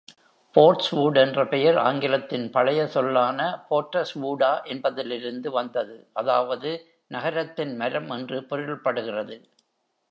" Portswood" என்ற பெயர், ஆங்கிலத்தின் பழைய சொல்லான " Porteswuda " என்பதிலிருந்து வந்தது, அதாவது "நகரத்தின் மரம்" என்று பொருள்படுகிறது.